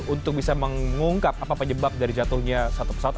untuk bisa mengungkap apa penyebab dari jatuhnya satu pesawat